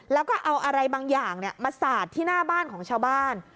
แล้วก็เอาอะไรบางอย่างมาสาดที่หน้าบ้านของชาวบ้าน